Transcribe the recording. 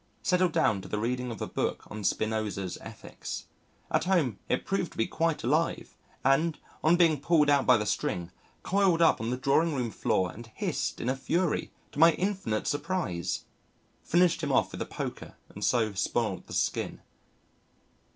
Settled down to the reading of a book on Spinoza's Ethics. At home it proved to be quite alive, and, on being pulled out by the string, coiled up on the drawing room floor and hissed in a fury, to my infinite surprise. Finished him off with the poker and so spoilt the skin.